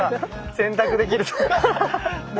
洗濯できるとかね